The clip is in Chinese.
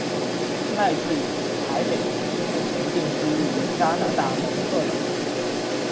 赖志颖，台北人，目前定居于加拿大蒙特娄。